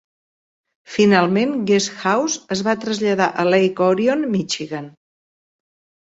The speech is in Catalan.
Finalment, Guest House es va traslladar a Lake Orion, Michigan.